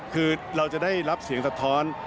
คือเราจะได้รับเสียงสะท้อน